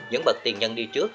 những bậc tiền nhân đi trước